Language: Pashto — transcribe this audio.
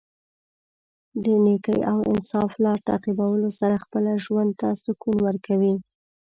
د نېکۍ او انصاف لار تعقیبولو سره خپله ژوند ته سکون ورکوي.